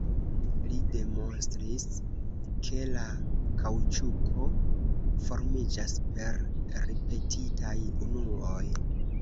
Li demonstris ke la kaŭĉuko formiĝas per ripetitaj unuoj.